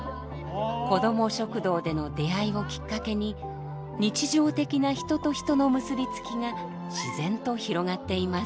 こども食堂での出会いをきっかけに日常的な人と人の結び付きが自然と広がっています。